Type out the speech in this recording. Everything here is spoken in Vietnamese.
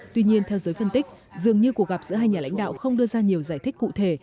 tuy nhiên theo giới phân tích dường như cuộc gặp giữa hai nhà lãnh đạo không đưa ra nhiều giải thích cụ thể